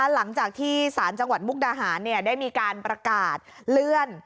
หลังจากที่สารจังหวัดมุกดาหารได้มีการประกาศเลื่อน